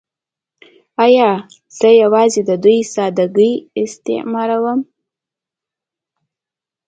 “ایا زه یوازې د دوی ساده ګۍ استثماروم؟